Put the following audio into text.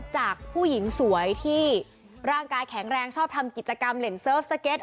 จากผู้หญิงสวยที่ร่างกายแข็งแรงชอบทำกิจกรรมเล่นเซิร์ฟสเก็ต